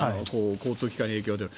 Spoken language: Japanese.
交通機関に影響が出る。